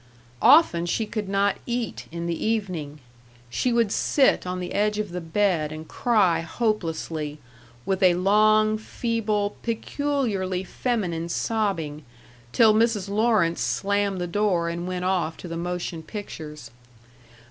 Often she could not eat in the evening. She would sit on the edge of the bed and cry hopelessly, with a long, feeble, peculiarly feminine sobbing, till Mrs. Lawrence slammed the door and went off to the motion pictures.